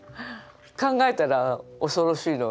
考えたら恐ろしいの。